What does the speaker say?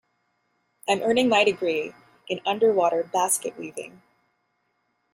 I'm earning my degree in underwater basket weaving.